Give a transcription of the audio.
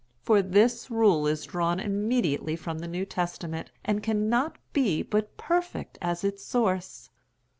For this rule is drawn immediately from the New Testament and cannot but be perfect as its source.